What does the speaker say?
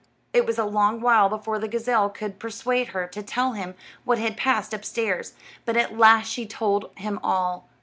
It was a long while before the gazelle could persuade her to tell him what had passed upstairs, but at last she told him all.